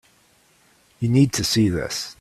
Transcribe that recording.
You need to see this.